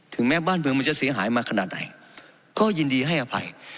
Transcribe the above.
แม้บ้านเมืองมันจะเสียหายมาขนาดไหนก็ยินดีให้อภัย